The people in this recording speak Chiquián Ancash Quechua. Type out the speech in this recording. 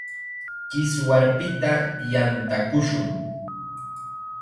Kiswarpita yantakushun.